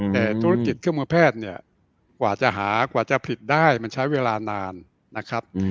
แต่ธุรกิจเครื่องมือแพทย์เนี่ยกว่าจะหากว่าจะผลิตได้มันใช้เวลานานนะครับ